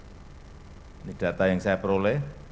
ini data yang saya peroleh